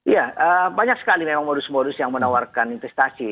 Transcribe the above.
ya banyak sekali memang modus modus yang menawarkan investasi